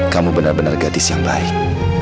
kamu benar benar gadis yang baik